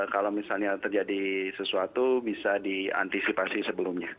kalau misalnya terjadi sesuatu bisa diantisipasi sebelumnya